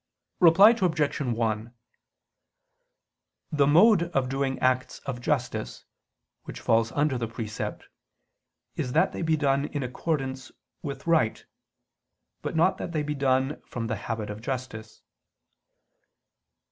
Reply Obj. 1: The mode of doing acts of justice, which falls under the precept, is that they be done in accordance with right; but not that they be done from the habit of justice.